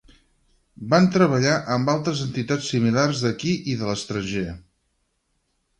Van treballar amb altres entitats similars d'aquí i de l'estranger.